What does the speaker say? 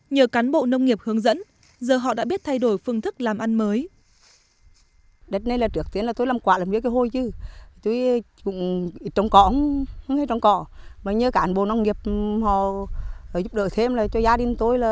nhờ cán bộ nông nghiệp hướng dẫn giờ họ đã biết thay đổi phương thức làm ăn mới